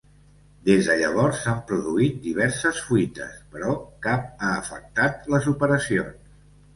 Des de llavors, s'han produït diverses fuites, però cap ha afectat les operacions.